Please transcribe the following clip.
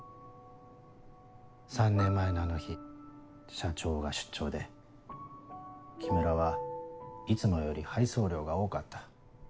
３年前のあの日社長が出張で木村はいつもより配送量が多かった。